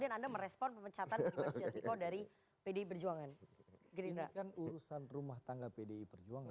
bang andre bagaimana kemudian anda merespon pemecatan budiman sujati ko dari pd perjuangan